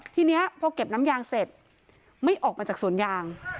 ทีนี้พอเก็บน้ำยางเสร็จไม่ออกมาจากสวนยาง